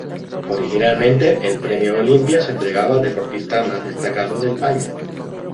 Originalmente, el Premio Olimpia se entregaba al deportista más destacado del año.